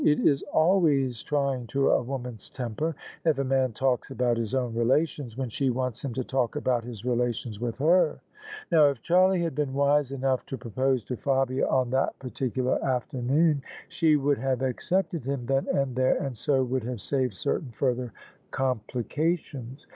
It is always trying to a woman's temper if a man talks about his own relations, when she wants him to talk about his relations with her. Now if Charlie had been wise enough to propose to Fabia on that particular afternoon, she would have accepted him then and there, and so would have saved certain further complications.